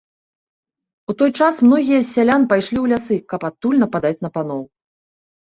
У той час многія з сялян пайшлі ў лясы, каб адтуль нападаць на паноў.